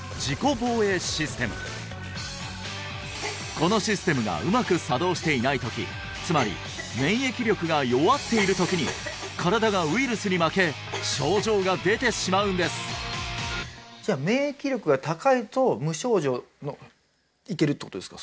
このシステムがうまく作動していない時つまり免疫力が弱っている時に身体がウイルスに負け症状が出てしまうんですいけるってことですか？